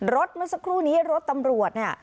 เมื่อสักครู่นี้รถตำรวจเนี่ย